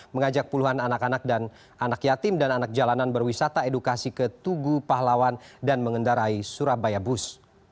mengajak puluhan anak anak dan anak yatim dan anak jalanan berwisata edukasi ke tugu pahlawan dan mengendarai surabaya bus